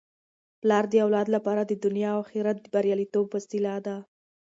پلار د اولاد لپاره د دنیا او اخرت د بریالیتوب وسیله ده.